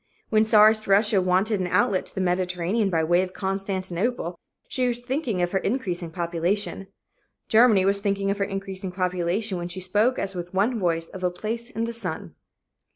When czarist Russia wanted an outlet to the Mediterranean by way of Constantinople, she was thinking of her increasing population. Germany was thinking of her increasing population when she spoke as with one voice of a "place in the sun."